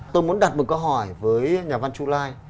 tôi muốn đặt một câu hỏi với nhà văn chu lai